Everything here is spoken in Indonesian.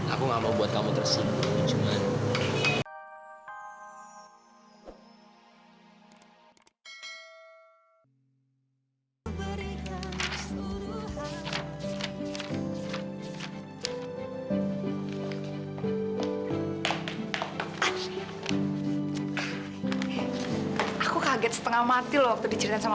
aku nggak mau buat kamu tersenyum cuman aku kaget setengah mati waktu diceritain sama